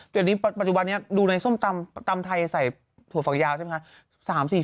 เดี๋ยวนี้ปัจจุบันนี้ดูในส้มตำไทยใส่ถั่วฝักยาวใช่ไหมคะ